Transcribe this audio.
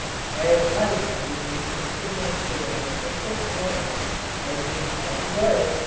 I had not intended making signals for them until to morrow but was glad to go.